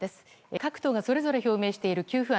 各党がそれぞれ表明している給付案。